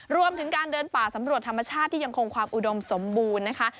รวมถึงการเดินป่าสำรวจธรรมชาติที่ยังคงความอุดมสมบูรณ์นะคะ